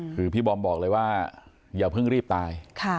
คือพี่บอมบอกเลยว่าอย่าเพิ่งรีบตาย